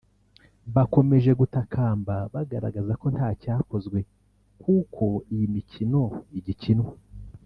bakomeje gutakamba bagaragaza ko ntacyakozwe kuko iyi mikino igikinwa